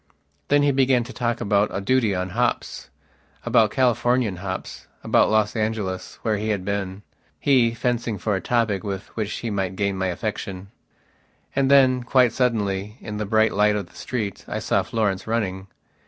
Then he began to talk about a duty on hops, about Californian hops, about Los Angeles, where he had been. He fencing for a topic with which he might gain my affection. And then, quite suddenly, in the bright light of the street, I saw Florence running.